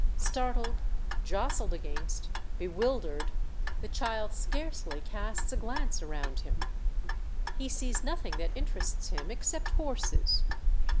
Startled, jostled against, bewildered, the child scarcely casts a glance around him. He sees nothing that interests him except horses.